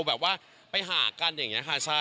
แบบว่าไปหากันอย่างนี้ค่ะ